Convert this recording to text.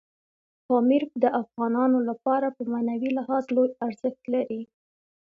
پامیر د افغانانو لپاره په معنوي لحاظ لوی ارزښت لري.